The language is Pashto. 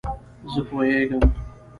زه پوهېږم !